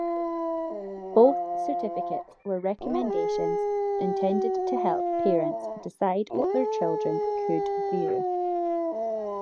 Both certificates were recommendations intended to help parents decide what their children could view.